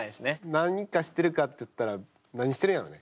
何かしてるかっつったら何してるんやろね。